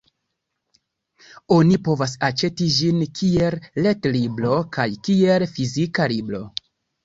Oni povas aĉeti ĝin kiel ret-libro kaj kiel fizika libro.